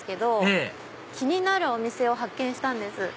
ええ気になるお店を発見したんです。